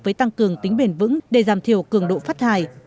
với tăng cường tính bền vững để giảm thiểu cường độ phát thải